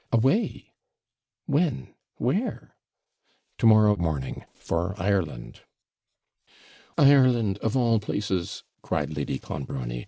'Away! when? where?' 'To morrow morning, for Ireland.' 'Ireland! of all places,' cried Lady Clonbrony.